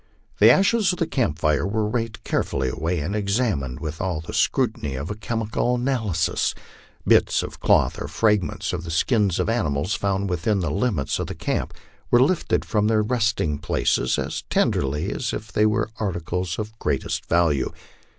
The ashes of the camp fires were raked carefully away and examined with all the scrutiny of a chemical analy sis. Bits of cloth or fragments of the skins of animals found within the limits of the camp were lifted from their resting places as tenderly as if they were articles of greatest value.